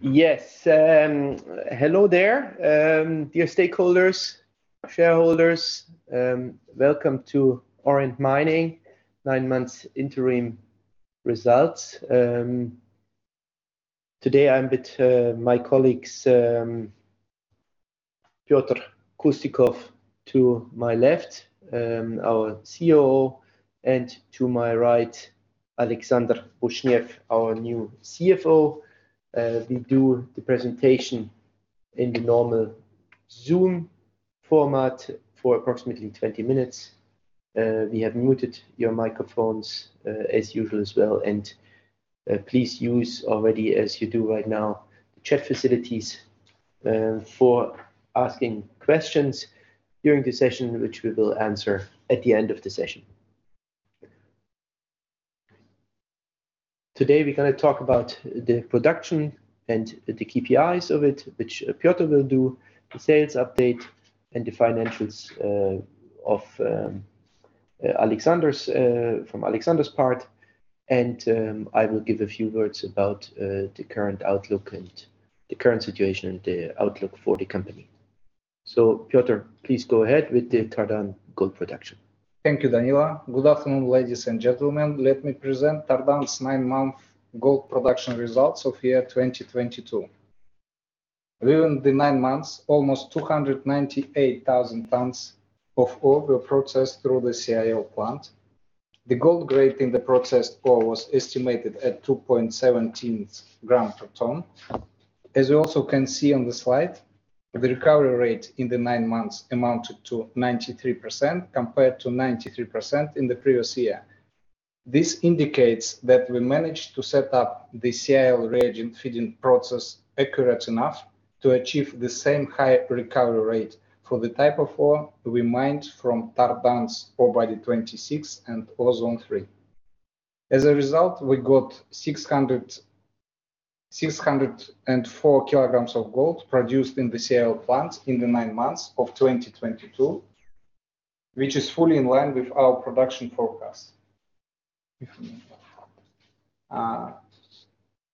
Hello there, dear stakeholders and shareholders. Welcome to Auriant Mining 9-month interim results. Today I'm with my colleagues, Petr Kustikov to my left, our COO, and to my right, Alexander Buchnev, our new CFO. We do the presentation in the normal Zoom format for approximately 20 minutes. We have muted your microphones as usual as well. Please use already as you do right now, the chat facilities for asking questions during the session which we will answer at the end of the session. Today we're gonna talk about the production and the KPIs of it, which Petr will do the sales update and the financials from Alexander's part. I will give a few words about the current outlook and the current situation and the outlook for the company. Petr, please go ahead with the Tardan gold production. Thank you, Danilo. Good afternoon, ladies and gentlemen. Let me present Tardan's 9-month gold production results of year 2022. Within the nine months, almost 298,000 tons of ore were processed through the CIL plant. The gold grade in the processed ore was estimated at 2.17 gr per ton. As you also can see on the slide, the recovery rate in the nine months amounted to 93%, compared to 93% in the previous year. This indicates that we managed to set up the CIL reagent feeding process accurate enough to achieve the same high recovery rate for the type of ore we mined from Tardan's Ore body #26 and Ore zone #3. As a result, we got 604 kg of gold produced in the CIL plant in the nine months of 2022, which is fully in line with our production forecast.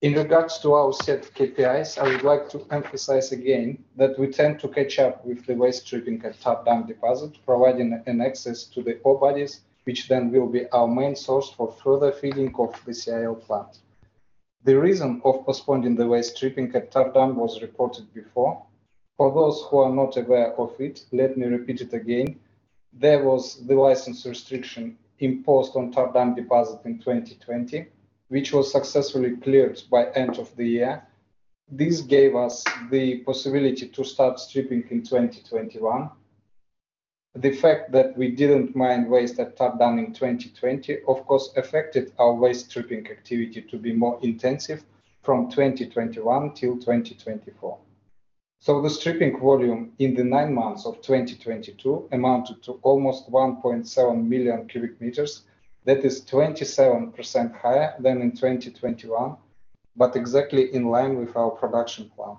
In regards to our set KPIs, I would like to emphasize again that we tend to catch up with the waste stripping at Tardan deposit, providing an access to the ore bodies, which then will be our main source for further feeding of the CIL plant. The reason of postponing the waste stripping at Tardan was reported before. For those who are not aware of it, let me repeat it again, there was the license restriction imposed on Tardan deposit in 2020, which was successfully cleared by end of the year. This gave us the possibility to start stripping in 2021. The fact that we didn't mine waste at Tardan in 2020, of course, affected our waste stripping activity to be more intensive from 2021-2024. The stripping volume in the nine months of 2022 amounted to almost 1.7 million cubic meters. That is 27% higher than in 2021, but exactly in line with our production plan.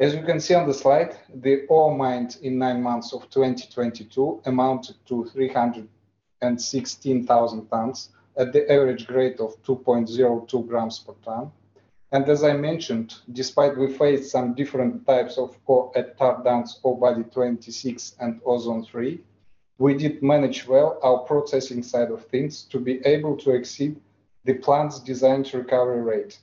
As you can see on the slide, the ore mined in nine months of 2022 amounted to 316,000 tons at the average grade of 2.02 gr per ton. As I mentioned, despite we faced some different types of ore at Tardan's Ore body #26 and Ore zone #3, we did manage well our processing side of things to be able to exceed the plant's designed recovery rate.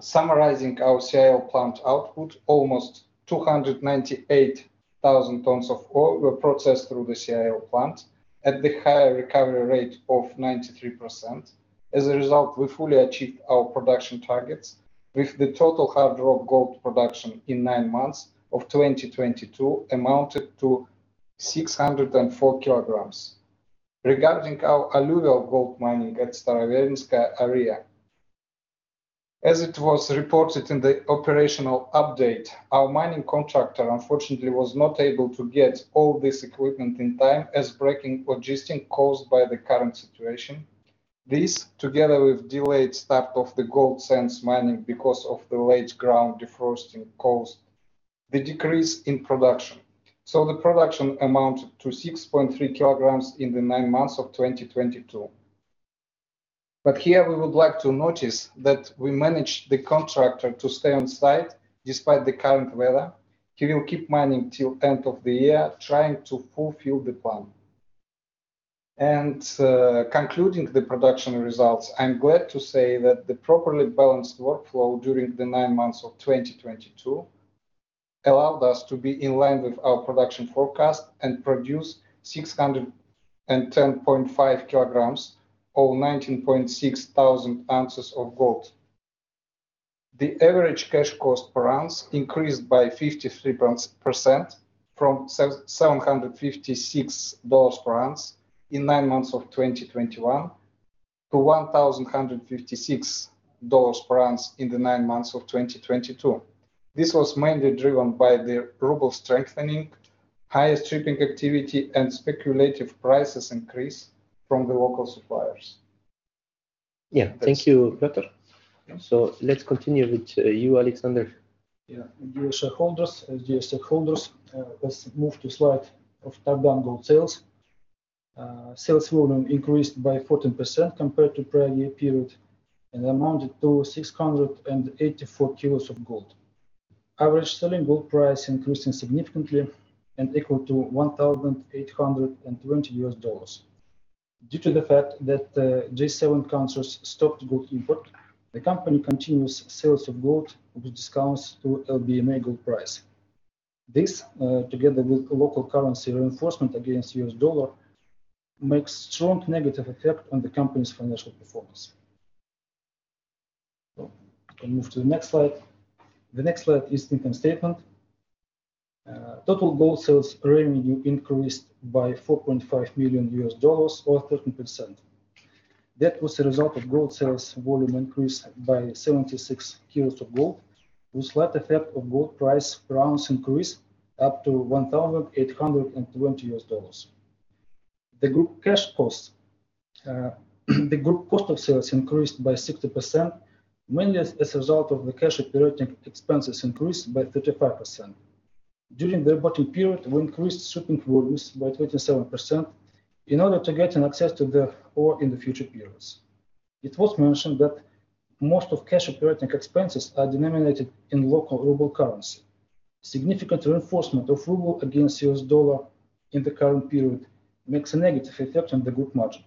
Summarizing our CIL plant output, almost 298,000 tons of ore were processed through the CIL plant at the higher recovery rate of 93%. As a result, we fully achieved our production targets with the total hard rock gold production in nine months of 2022 amounted to 604 kg. Regarding our alluvial gold mining at Staroverinskaya area, as it was reported in the operational update, our mining contractor unfortunately was not able to get all this equipment in time as breaking logistics caused by the current situation. This, together with delayed start of the gold sands mining because of the late ground defrosting caused the decrease in production. The production amounted to 6.3 kg in the nine months of 2022. Here, we would like to notice that we managed the contractor to stay on site despite the current weather. He will keep mining till end of the year, trying to fulfill the plan. Concluding the production results, I'm glad to say that the properly balanced workflow during the nine months of 2022 allowed us to be in line with our production forecast and produce 610.5 kg or 19,600 ounces of gold. The average cash cost per ounce increased by 53% from $756 per ounce in nine months of 2021 to $1,156 per ounce in the nine months of 2022. This was mainly driven by the ruble strengthening, higher stripping activity, and speculative prices increase from the local suppliers. Yeah. Thank you, Petr. So, let's continue with you, Alexander. Yeah. Dear shareholders and dear stakeholders, let's move to slide of Tardan gold sales. Sales volume increased by 14% compared to prior year period and amounted to 684 kg of gold. Average selling gold price increased significantly and equal to $1,820. Due to the fact that G7 countries stopped gold import, the company continues sales of gold with discounts to LBMA gold price. This, together with local currency reinforcement against U.S. dollar makes strong negative effect on the company's financial performance. We can move to the next slide. The next slide is income statement. Total gold sales revenue increased by $4.5 million or 13%. That was a result of gold sales volume increase by 76 kg of gold with slight effect of gold price rounds increase up to $1,820. The group cash costs, the group cost of sales increased by 60% mainly as a result of the cash operating expenses increase by 35%. During the reporting period, we increased stripping volumes by 27% in order to getting access to the ore in the future periods. It was mentioned that most of cash operating expenses are denominated in local ruble currency. Significant reinforcement of ruble against U.S. dollar in the current period makes a negative effect on the group margin.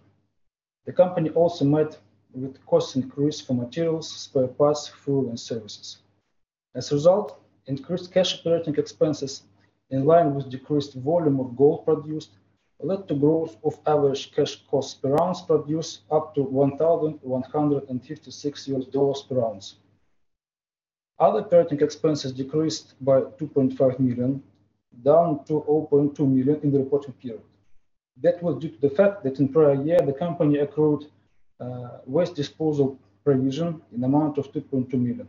The company also met with cost increase for materials, spare parts, fuel, and services. As a result, increased cash operating expenses in line with decreased volume of gold produced led to growth of average cash costs per ounce produced up to $1,156 per ounce. Other operating expenses decreased by $2.5 million, down to $0.2 million in the reporting period. That was due to the fact that in prior year the company accrued waste disposal provision in amount of $2.2 million.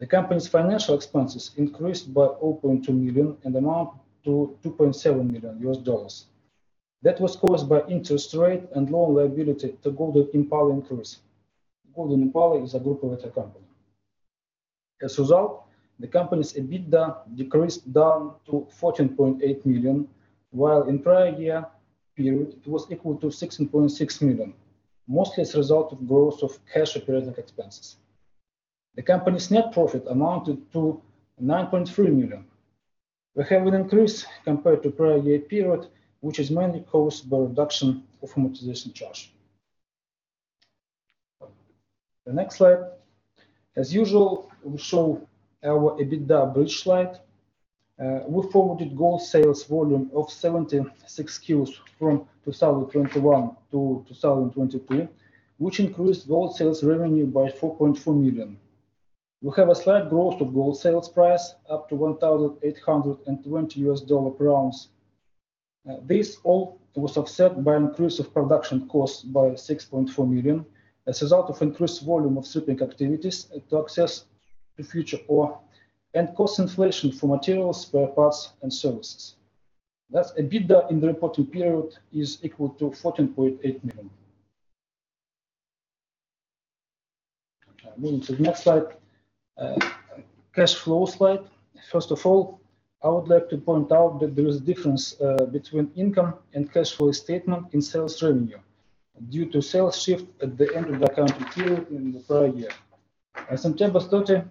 The company's financial expenses increased by $0.2 million and amount to $2.7 million. That was caused by interest rate and loan liability to Golden Empire increase. Golden Empire is a group of intercompany. As a result, the company's EBITDA decreased down to $14.8 million, while in prior year period it was equal to $16.6 million, mostly as a result of growth of cash operating expenses. The company's net profit amounted to $9.3 million. We have an increase compared to prior year period, which is mainly caused by reduction of amortization charge. The next slide. As usual, we show our EBITDA bridge slide. We forwarded gold sales volume of 76 kg from 2021-2022, which increased gold sales revenue by $4.4 million. We have a slight growth of gold sales price up to $1,820 per ounce. This all was offset by increase of production costs by $6.4 million as a result of increased volume of stripping activities to access the future ore and cost inflation for materials, spare parts, and services. Thus, EBITDA in the reporting period is equal to $14.8 million. Okay, moving to the next slide. Cash flow slide. First of all, I would like to point out that there is difference between income and cash flow statement in sales revenue due to sales shift at the end of the accounting period in the prior year. On September 30th,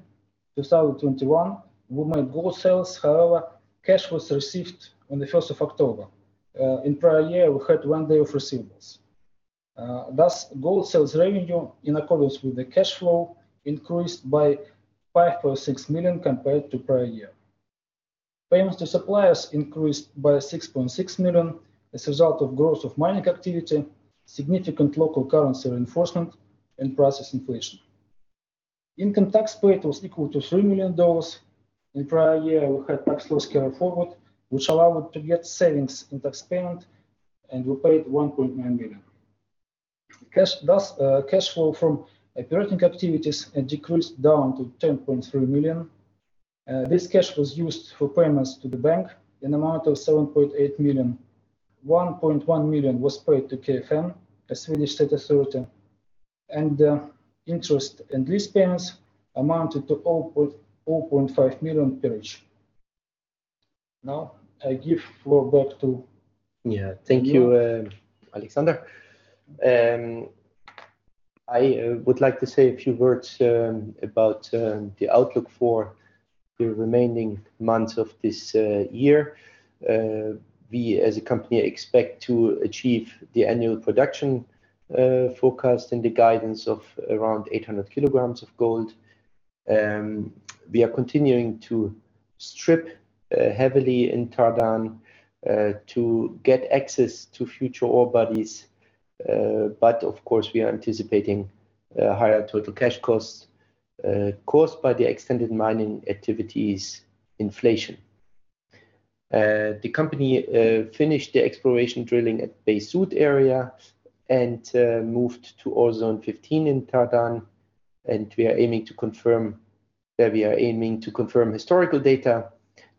2021, we made gold sales. However, cash was received on October 1st. In prior year, we had one day of receivables. Thus, gold sales revenue in accordance with the cash flow increased by $5.6 million compared to prior year. Payments to suppliers increased by $6.6 million as a result of growth of mining activity, significant local currency reinforcement, and process inflation. Income tax paid was equal to $3 million. In prior year, we had tax loss carryforward which allowed to get savings in tax payment, and we paid $1.9 million. Thus, cash flow from operating activities had decreased down to $10.3 million. This cash was used for payments to the bank in amount of $7.8 million. $1.1 million was paid to Kronofogdemyndigheten, a Swedish state authority. Interest and lease payments amounted to $0.5 million per year. Now, I give floor back to Danilo. Yeah. Thank you, Alexander. I would like to say a few words about the outlook for the remaining months of this year. We as a company expect to achieve the annual production forecast and the guidance of around 800 kg of gold. We are continuing to strip heavily in Tardan to get access to future ore bodies. Of course, we are anticipating higher total cash costs caused by the extended mining activities inflation. The company finished the exploration drilling at Bai-Syut area and moved to Ore zone #15 in Tardan. There we are aiming to confirm historical data.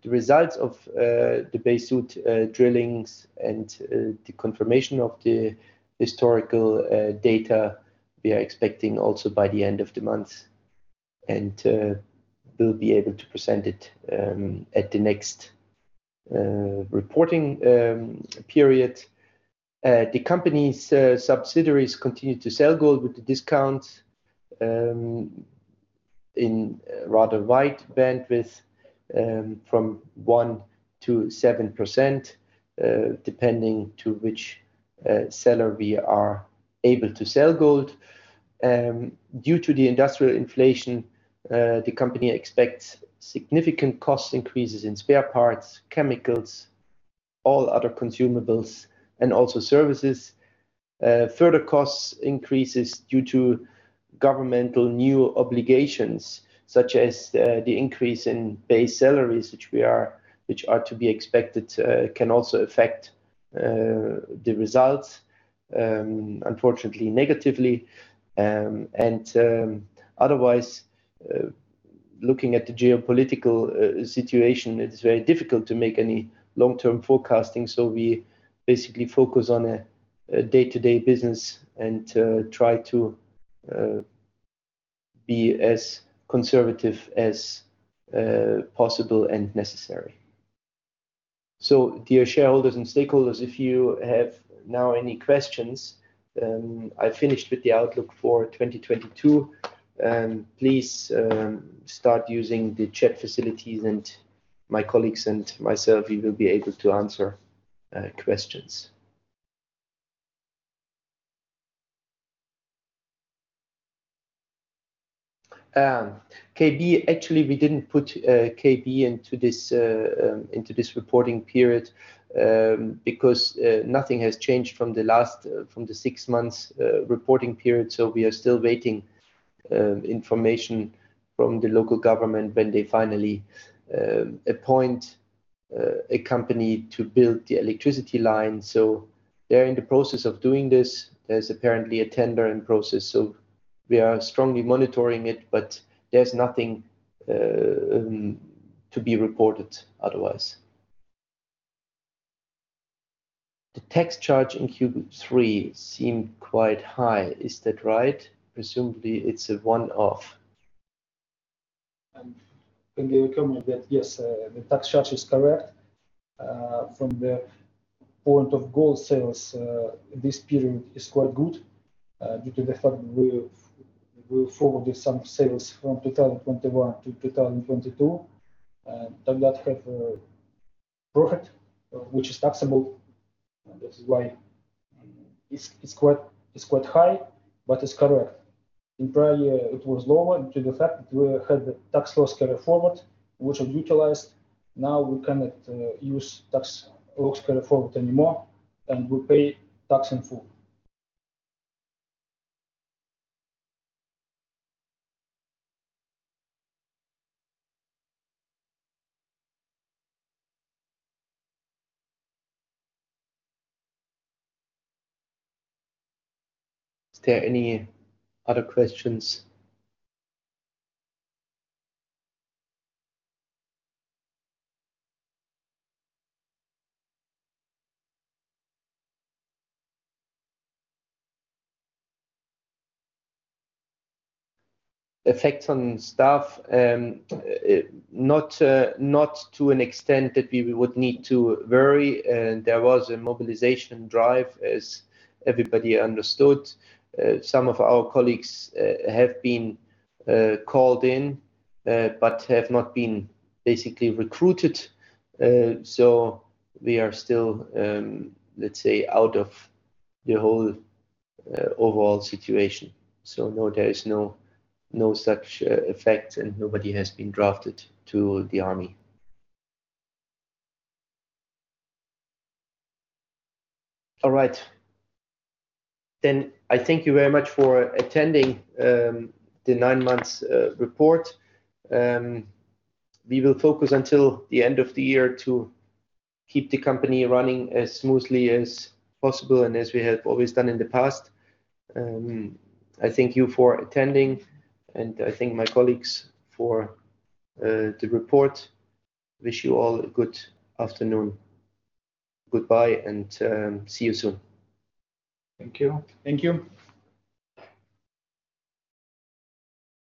The results of the Bai-Syut drillings and the confirmation of the historical data we are expecting also by the end of the month. We'll be able to present it at the next reporting period. The company's subsidiaries continue to sell gold with the discount in rather wide bandwidth from 1%-7%, depending to which seller we are able to sell gold. Due to the industrial inflation, the company expects significant cost increases in spare parts, chemicals, all other consumables, and also services. Further costs increases due to governmental new obligations such as the increase in base salaries, which are to be expected to can also affect the results, unfortunately negatively. Otherwise, looking at the geopolitical situation, it's very difficult to make any long-term forecasting, we basically focus on a day-to-day business and try to be as conservative as possible and necessary. Dear shareholders and stakeholders, if you have now any questions, I finished with the outlook for 2022. Please start using the chat facilities and my colleagues and myself, we will be able to answer questions. KB, actually, we didn't put KB into this reporting period because nothing has changed from the last from the six months reporting period, we are still waiting information from the local government when they finally appoint a company to build the electricity line. They're in the process of doing this. There's apparently a tender in process, so we are strongly monitoring it, but there's nothing to be reported otherwise. The tax charge in Q3 seemed quite high. Is that right? Presumably, it's a one-off. In the economy that yes, the tax charge is correct. From the point of gold sales, this period is quite good, due to the fact we've, we forwarded some sales from 2021-2022, and then that have a profit, which is taxable. This is why it's quite, it's quite high, but it's correct. In prior year, it was lower due to the fact that we had the tax loss carryforward, which was utilized. Now we cannot use tax loss carry forward anymore, and we pay tax in full. Is there any other questions? Effects on staff, not to an extent that we would need to worry. There was a mobilization drive as everybody understood. Some of our colleagues have been called in, but have not been basically recruited. We are still, let's say, out of the whole overall situation. No, there is no such effect, and nobody has been drafted to the army. All right. I thank you very much for attending the nine months report. We will focus until the end of the year to keep the company running as smoothly as possible and as we have always done in the past. I thank you for attending, and I thank my colleagues for the report. Wish you all a good afternoon. Goodbye and, see you soon. Thank you. Thank you.